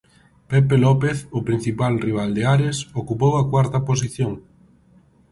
Pepe López, o principal rival de Ares, ocupou a cuarta posición.